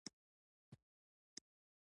ما د مرستې غږ وکړ خو څوک مې مرستې ته رانغلل